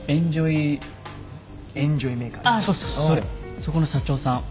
そこの社長さん